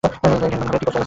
কি করছ, অ্যালিসিয়া?